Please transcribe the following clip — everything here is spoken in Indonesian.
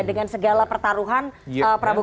dengan segala pertaruhan prabowo